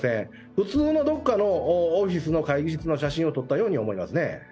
普通のどっかのオフィスの会議室の写真を撮ったように思いますね。